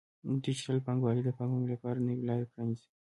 ډیجیټل بانکوالي د پانګونې لپاره نوې لارې پرانیزي.